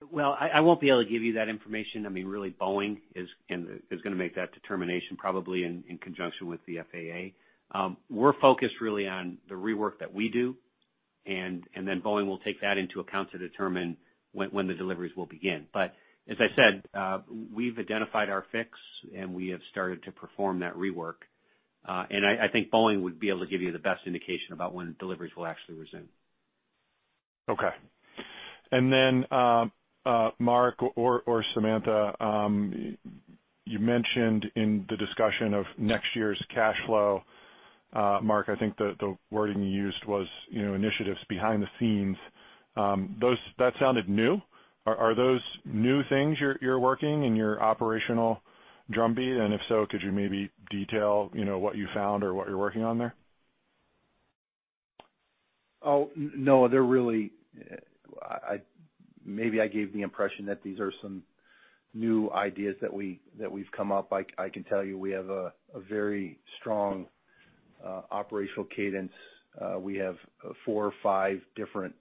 [SPEAKER 3] Well, I won't be able to give you that information. I mean, really, Boeing is gonna make that determination, probably in conjunction with the FAA. We're focused really on the rework that we do, and then Boeing will take that into account to determine when the deliveries will begin. But as I said, we've identified our fix, and we have started to perform that rework. And I think Boeing would be able to give you the best indication about when deliveries will actually resume.
[SPEAKER 15] Okay. And then, Mark or Samantha, you mentioned in the discussion of next year's cash flow, Mark, I think the wording you used was, you know, initiatives behind the scenes. That sounded new. Are those new things you're working in your operational drumbeat? And if so, could you maybe detail, you know, what you found or what you're working on there?
[SPEAKER 5] Oh, no, they're really. Maybe I gave the impression that these are some new ideas that we, that we've come up. I, I can tell you we have a very strong operational cadence. We have four or five different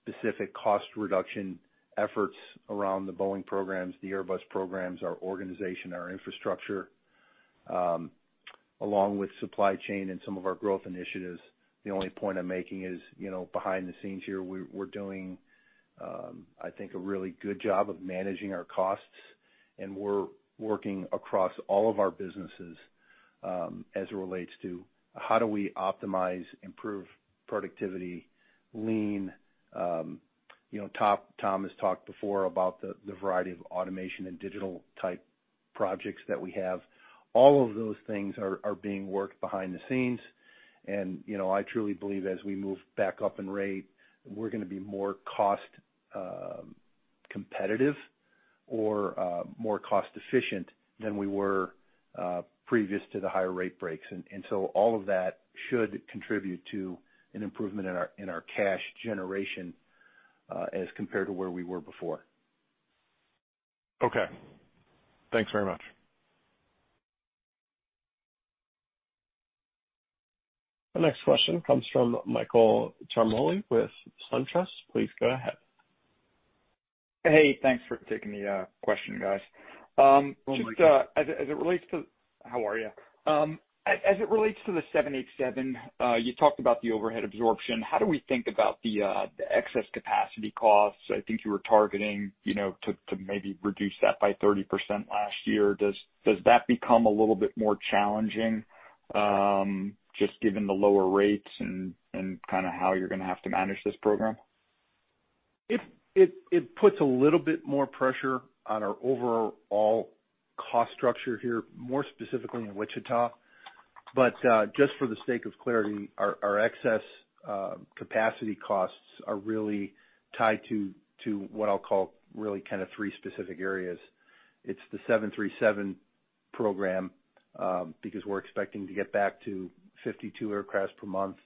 [SPEAKER 5] specific cost reduction efforts around the Boeing programs, the Airbus programs, our organization, our infrastructure, along with supply chain and some of our growth initiatives. The only point I'm making is, you know, behind the scenes here, we're, we're doing, I think, a really good job of managing our costs, and we're working across all of our businesses, as it relates to how do we optimize, improve productivity, Lean, you know, Tom, Tom has talked before about the variety of automation and digital type projects that we have. All of those things are, are being worked behind the scenes. You know, I truly believe as we move back up in rate, we're gonna be more cost competitive or more cost efficient than we were previous to the higher rate breaks. And so all of that should contribute to an improvement in our cash generation as compared to where we were before.
[SPEAKER 15] Okay. Thanks very much.
[SPEAKER 1] The next question comes from Michael Ciarmoli with SunTrust. Please go ahead.
[SPEAKER 16] Hey, thanks for taking the question, guys. Just, as it, as it relates to-
[SPEAKER 5] Hello, Michael.
[SPEAKER 16] How are you? As it relates to the 787, you talked about the overhead absorption. How do we think about the excess capacity costs? I think you were targeting, you know, to maybe reduce that by 30% last year. Does that become a little bit more challenging just given the lower rates and kind of how you're gonna have to manage this program?
[SPEAKER 5] It puts a little bit more pressure on our overall cost structure here, more specifically in Wichita. But just for the sake of clarity, our excess capacity costs are really tied to what I'll call really kind of three specific areas. It's the 737 program, because we're expecting to get back to 52 aircraft per month.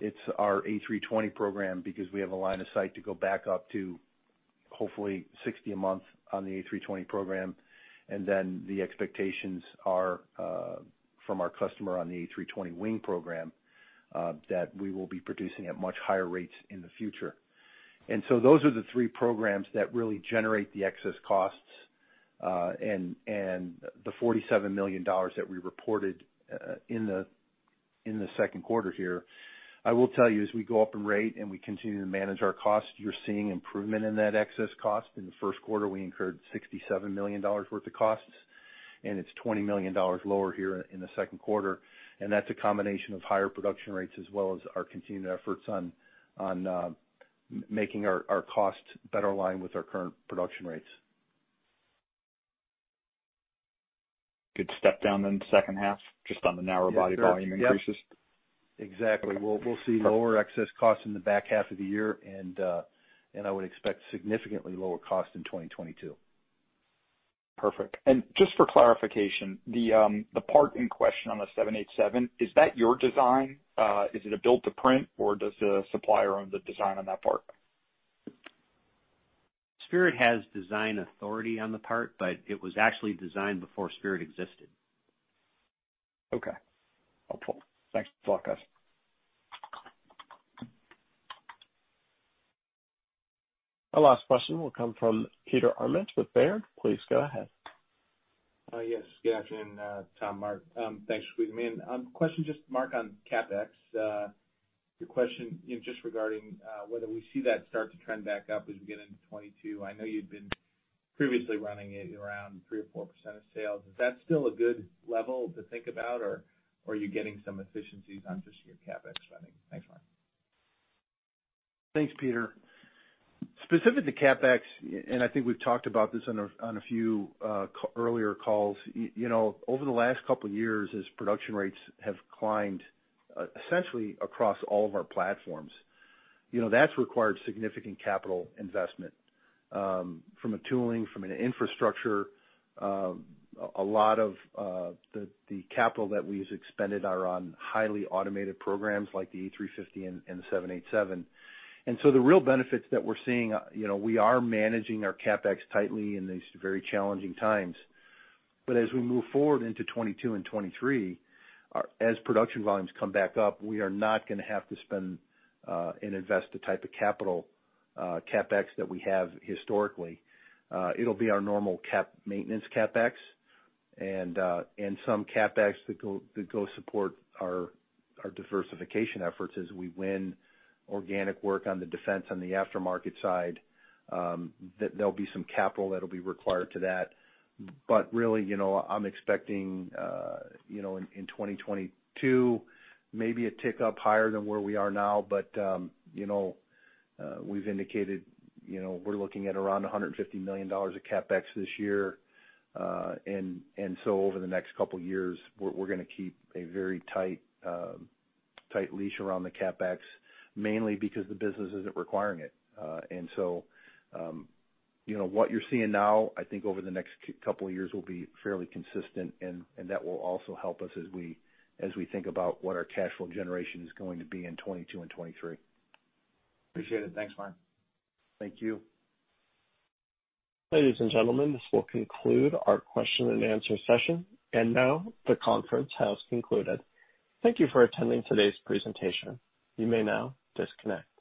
[SPEAKER 5] It's our A320 program because we have a line of sight to go back up to, hopefully, 60 a month on the A320 program. And then the expectations are from our customer on the A320 wing program that we will be producing at much higher rates in the future. And so those are the three programs that really generate the excess costs, and the $47 million that we reported in the second quarter here. I will tell you, as we go up in rate and we continue to manage our costs, you're seeing improvement in that excess cost. In the first quarter, we incurred $67 million worth of costs, and it's $20 million lower here in the second quarter, and that's a combination of higher production rates as well as our continued efforts on making our costs better align with our current production rates.
[SPEAKER 16] Good step down then the second half, just on the narrowbody volume increases?
[SPEAKER 5] Yep. Exactly. We'll see lower excess costs in the back half of the year, and I would expect significantly lower costs in 2022.
[SPEAKER 16] Perfect. Just for clarification, the part in question on the 787, is that your design? Is it a build-to-print, or does the supplier own the design on that part?
[SPEAKER 3] Spirit has design authority on the part, but it was actually designed before Spirit existed.
[SPEAKER 16] Okay. Helpful. Thanks a lot, guys.
[SPEAKER 1] Our last question will come from Peter Arment with Baird. Please go ahead.
[SPEAKER 17] Yes, good afternoon, Tom, Mark. Thanks for squeezing me in. Question just, Mark, on CapEx. The question, you know, just regarding whether we see that start to trend back up as we get into 2022. I know you've been previously running it around 3%-4% of sales. Is that still a good level to think about, or are you getting some efficiencies on just your CapEx spending? Thanks, Mark.
[SPEAKER 5] Thanks, Peter. Specific to CapEx, and I think we've talked about this on a few earlier calls, you know, over the last couple of years, as production rates have climbed, essentially across all of our platforms, you know, that's required significant capital investment, from a tooling, from an infrastructure. A lot of the capital that we've expended are on highly automated programs like the A350 and the 787. And so the real benefits that we're seeing, you know, we are managing our CapEx tightly in these very challenging times. But as we move forward into 2022 and 2023, as production volumes come back up, we are not gonna have to spend and invest the type of capital, CapEx that we have historically. It'll be our normal cap maintenance CapEx and some CapEx that goes to support our diversification efforts as we win organic work on the defense, on the aftermarket side, that there'll be some capital that'll be required to that. But really, you know, I'm expecting, you know, in 2022, maybe a tick up higher than where we are now. But, you know, we've indicated, you know, we're looking at around $150 million of CapEx this year. And so over the next couple of years, we're gonna keep a very tight leash around the CapEx, mainly because the business isn't requiring it. So, you know, what you're seeing now, I think over the next couple of years, will be fairly consistent, and that will also help us as we think about what our cash flow generation is going to be in 2022 and 2023.
[SPEAKER 17] Appreciate it. Thanks, Mark.
[SPEAKER 5] Thank you.
[SPEAKER 1] Ladies and gentlemen, this will conclude our question and answer session. And now, the conference has concluded. Thank you for attending today's presentation. You may now disconnect.